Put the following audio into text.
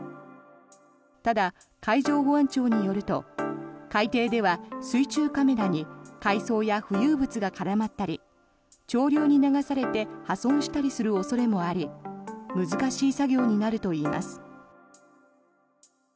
ただ、海上保安庁によると海底では水中カメラに海藻や浮遊物が絡まったり潮流に流されて破損したりする恐れもあり難しい作業になるといいます。